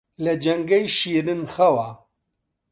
لە جەنگەی شیرن خەوا